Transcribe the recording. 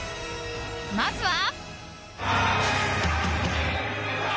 まずは。